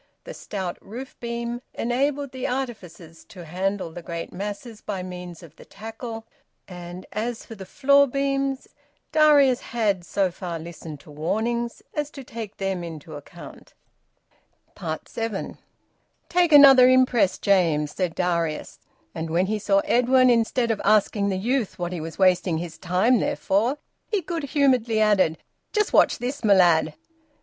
The stout roof beam enabled the artificers to handle the great masses by means of the tackle; and as for the floor beams, Darius had so far listened to warnings as to take them into account. SEVEN. "Take another impress, James," said Darius. And when he saw Edwin, instead of asking the youth what he was wasting his time there for, he good humouredly added: "Just watch this, my lad."